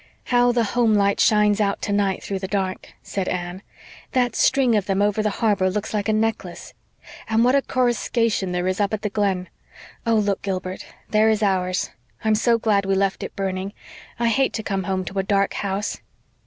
"How the home lights shine out tonight through the dark!" said Anne. "That string of them over the harbor looks like a necklace. And what a coruscation there is up at the Glen! Oh, look, Gilbert; there is ours. I'm so glad we left it burning. I hate to come home to a dark house.